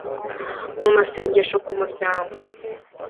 Mu masengesho ku muryango